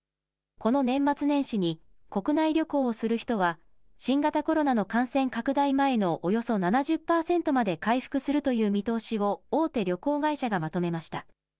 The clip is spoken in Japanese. この年末年始に国内旅行をする人は新型コロナの感染拡大前のおよそ７０％まで回復するという見通しを大手旅行会社がまとめました。